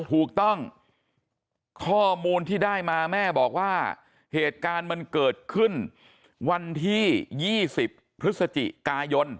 ถูกต้องข้อมูลที่ได้มาแม่บอกว่าเหตุการณ์มันเกิดขึ้นวันที่๒๐พฤศจิกายน